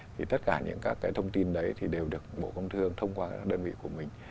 thì tất cả những các cái thông tin đấy thì đều được bộ công thương thông qua các đơn vị của mình